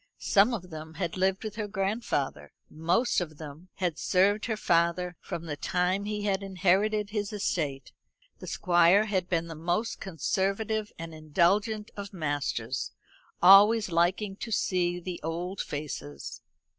Some of them had lived with her grandfather; most of them had served her father from the time he had inherited his estate. The Squire had been the most conservative and indulgent of masters; always liking to see the old faces.